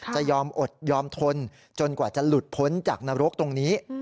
จะยอมอดยอมทนจนกว่าจะหลุดพ้นจากนรกตรงนี้